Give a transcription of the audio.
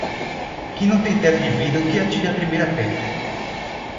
Quem não tem teto de vidro que atire a primeira pedra